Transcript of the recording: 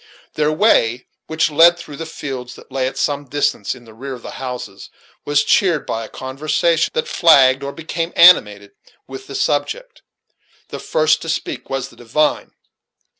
Their way, which led through fields that lay at some distance in the rear of the houses, was cheered by a conversation that flagged or became animated with the subject. The first to speak was the divine.